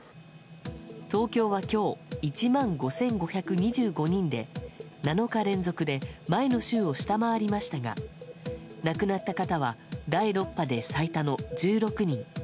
東京は今日、１万５５２５人で７日連続で前の週を下回りましたが亡くなった方は第６波で最多の１６人。